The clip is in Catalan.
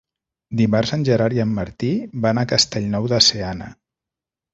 Dimarts en Gerard i en Martí van a Castellnou de Seana.